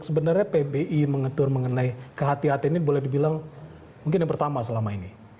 sebenarnya pbi mengatur mengenai kehatian ini boleh dibilang mungkin yang pertama selama ini